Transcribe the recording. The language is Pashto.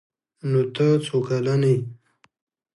_نوته څو کلن يې؟